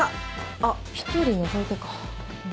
あっ１人除いてか。